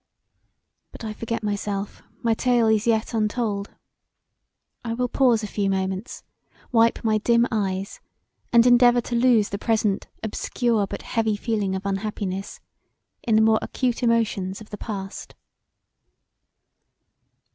But I forget myself, my tale is yet untold. I will pause a few moments, wipe my dim eyes, and endeavour to lose the present obscure but heavy feeling of unhappiness in the more acute emotions of the past.